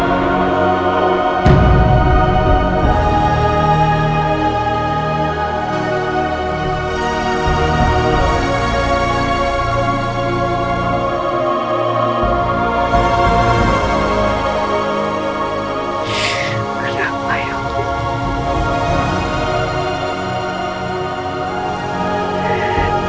walaupun tidak sudah westis